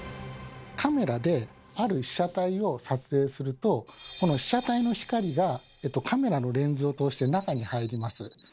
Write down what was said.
カメラである被写体を撮影するとこの被写体の光がカメラのレンズを通して中に入ります。